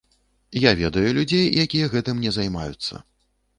Я ведаю людзей, якія гэтым не займаюцца.